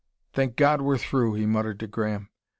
"Thank God, we're through!" he muttered to Graham.